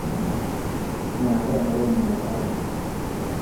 n abana bo mu muhanda